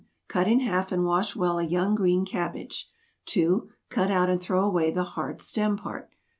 Cut in half and wash well a young green cabbage. 2. Cut out and throw away the hard stem part.